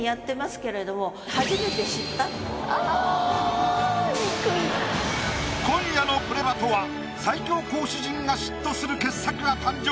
ああ今夜の「プレバト‼」は最強講師陣が嫉妬する傑作が誕生。